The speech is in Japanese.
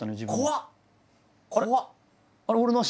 怖っ！